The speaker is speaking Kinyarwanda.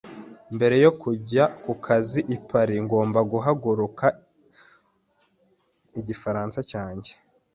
Mbere yo kujya ku kazi i Paris, ngomba guhanagura igifaransa cyanjye.